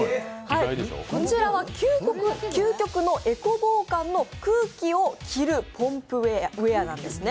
こちらは究極のエコ防寒の空気を着るポンプウエアなんですね。